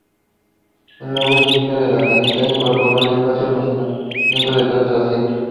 El nuevo diseño de la cabina incorporó un espacio almacenamiento detrás del asiento.